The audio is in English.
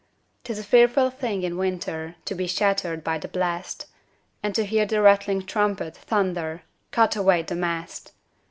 'Tis a fearful thing in winter To be shattered by the blast, And to hear the rattling trumpet Thunder, "Cut away the mast!"